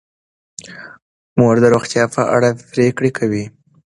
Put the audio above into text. مور د روغتیا په اړه پریکړې کوي.